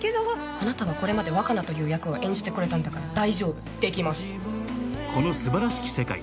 あなたはこれまで若菜という役を演じてこれたんだから大丈夫、できます。